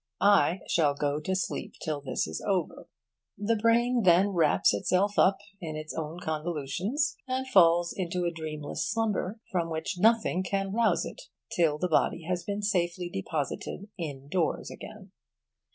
I shall go to sleep till it is over.' The brain then wraps itself up in its own convolutions, and falls into a dreamless slumber from which nothing can rouse it till the body has been safely deposited indoors again.